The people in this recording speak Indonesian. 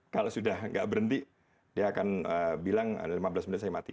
kalau sudah tidak berhenti dia akan bilang lima belas menit saya mati